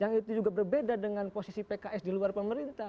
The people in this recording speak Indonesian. yang itu juga berbeda dengan posisi pks di luar pemerintah